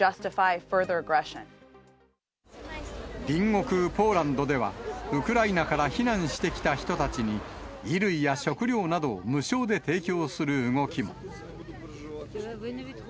隣国ポーランドでは、ウクライナから避難してきた人たちに、衣類や食料などを無償で提供する動きも。